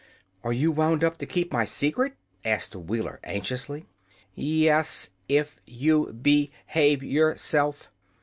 "Are you wound up to keep my secret?" asked the Wheeler, anxiously. "Yes; if you be have your self.